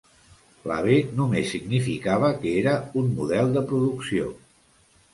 La "B" només significava que era un model de producció.